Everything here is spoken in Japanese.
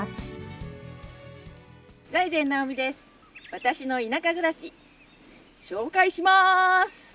私の田舎暮らし、紹介します。